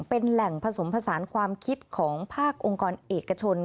เป็นแหล่งผสมผสานความคิดของภาคองค์กรเอกชน